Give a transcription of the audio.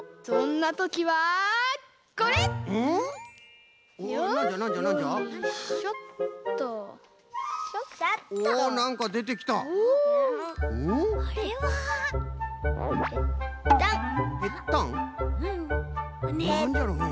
なんじゃろね。